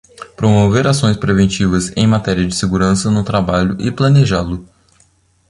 Promover ações preventivas em matéria de segurança no trabalho e planejá-lo.